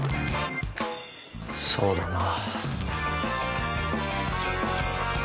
そうだな。